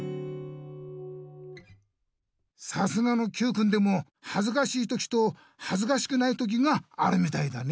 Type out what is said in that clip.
さすがのＱくんでもはずかしい時とはずかしくない時があるみたいだね。